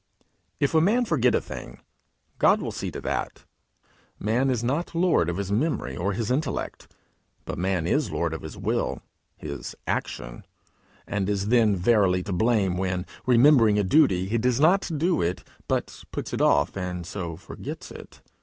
If a man forget a thing, God will see to that: man is not lord of his memory or his intellect. But man is lord of his will, his action; and is then verily to blame when, remembering a duty, he does not do it, but puts it off, and so forgets it.